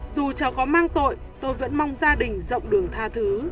dù cháu có mang tội tôi vẫn mong gia đình rộng đường tha thứ